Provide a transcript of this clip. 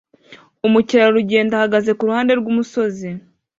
Umukerarugendo ahagaze kuruhande rwumusozi